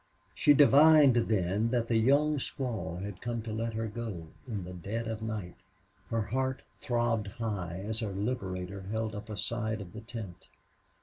She divined then that the young squaw had come to let her go, in the dead of night. Her heart throbbed high as her liberator held up a side of the tent.